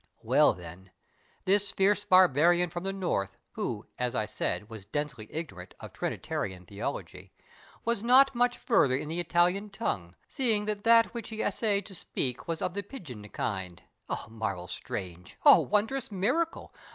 Well then, this fierce barbarian from the North, Who as I said was densely ignorant Of Trinitarian theology, Was not much further in the Italian tongue, Seeing that that which he essayed to speak Was of the pidgin kind,—oh, marvel strange! Oh, wondrous miracle!